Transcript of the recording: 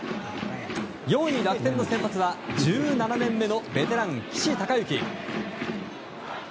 ４位、楽天の先発は１７年目のベテラン、岸孝之。